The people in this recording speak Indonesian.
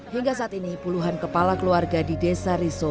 hingga saat ini puluhan kepala keluarga di desa riso